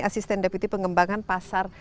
asisten deputi pengembangan pasar